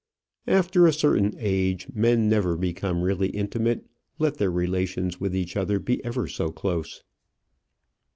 After a certain age, men never become really intimate, let their relations with each other be ever so close.